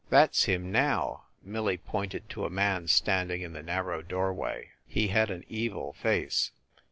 "That s him, now!" Millie pointed to a man standing in the narrow doorway. He had an evil face.